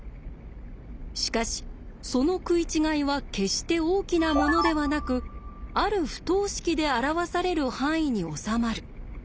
しかしその食い違いは決して大きなものではなくある不等式で表される範囲におさまる。